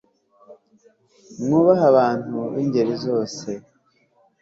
mwubahe abantu b ingeri zose